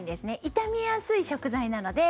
傷みやすい食材なので。